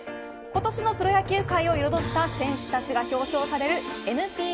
今年のプロ野球界を彩った選手たちが表彰されるＮＰＢＡＷＡＲＤＳ